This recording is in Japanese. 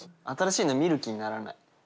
新しいの見る気にならない。